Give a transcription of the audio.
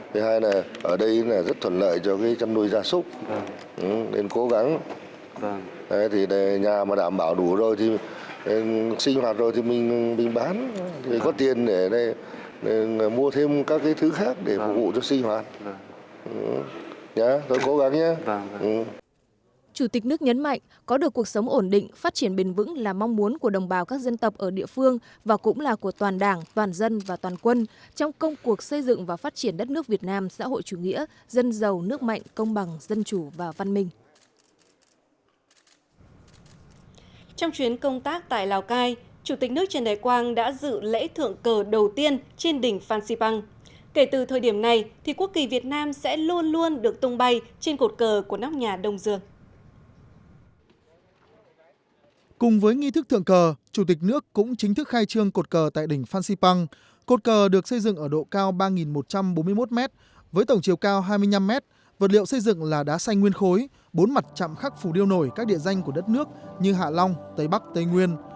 với tổng chiều cao hai mươi năm mét vật liệu xây dựng là đá xanh nguyên khối bốn mặt chạm khắc phủ điêu nổi các địa danh của đất nước như hạ long tây bắc tây nguyên